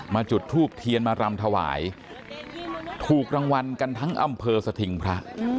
จุดทูบเทียนมารำถวายถูกรางวัลกันทั้งอำเภอสถิงพระ